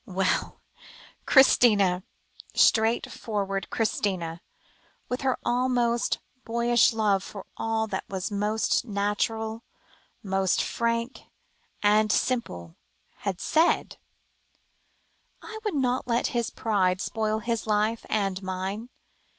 Well! Christina straightforward Christina, with her almost boyish love for all that was most natural, most frank and simple had said, "I would not let his pride spoil his life, and mine.